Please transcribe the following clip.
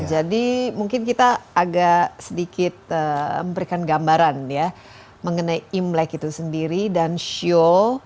jadi mungkin kita agak sedikit memberikan gambaran ya mengenai imlek itu sendiri dan sio